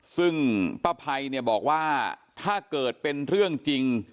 ซึ่งป้าภัยเนี่ยบอกว่าถ้าเกิดเป็นเรื่องจริง